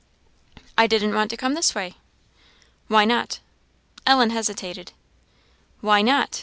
"I didn't want to come this way." "Why not?" Ellen hesitated. "Why not?"